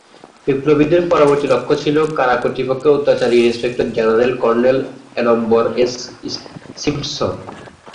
বিপ্লবীদের পরবর্তী লক্ষ্য ছিল কারা কর্তৃপক্ষের অত্যাচারী ইন্সপেক্টর জেনারেল কর্নেল এনম্বরএস সিম্পসন।